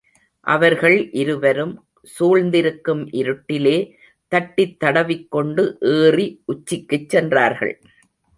அவர்கள் இருவரும், சூழ்ந்திருக்கும் இருட்டிலே தட்டித் தடவிக் கொண்டு ஏறி உச்சிக்குச் சென்றார்கள்.